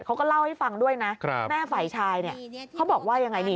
เขาก็เล่าให้ฟังด้วยนะแม่ไฝชายเนี่ยเขาบอกว่าอย่างไร